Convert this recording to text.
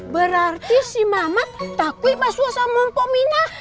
berarti si mamat takut sama pumina